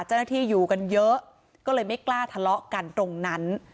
เจ้าหน้าที่อยู่กันเยอะก็เลยไม่กล้าทะเลาะกันตรงนั้น